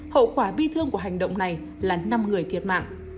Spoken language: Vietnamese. hậu quả bi thương của hành động này là năm người thiệt mạng